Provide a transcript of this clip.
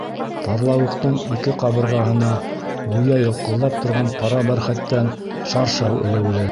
Тарлауыҡтың ике ҡабырғаһына гүйә йылҡылдап торған ҡара бәрхәттән шаршау элеүле.